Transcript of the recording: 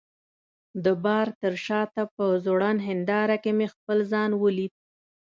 د بار تر شاته په ځوړند هنداره کي مې خپل ځان ولید.